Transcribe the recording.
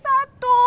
cincin tati satu